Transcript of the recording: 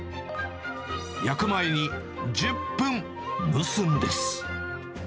焼く前に１０分蒸すんです。